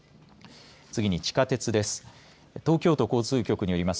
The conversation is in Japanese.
次に地下鉄です。